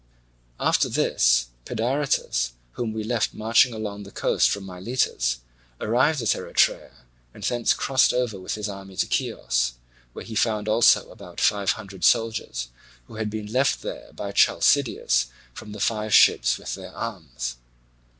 After this Pedaritus, whom we left marching along the coast from Miletus, arrived at Erythrae, and thence crossed over with his army to Chios, where he found also about five hundred soldiers who had been left there by Chalcideus from the five ships with their arms.